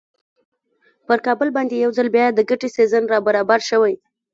پر کابل باندې یو ځل بیا د ګټې سیزن را برابر شوی.